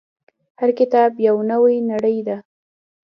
• هر کتاب یو نوی نړۍ ده.